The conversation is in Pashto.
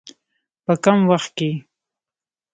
په کم وخت کې.